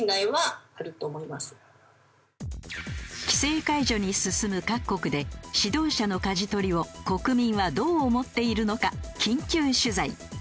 規制解除に進む各国で指導者の舵取りを国民はどう思っているのか緊急取材。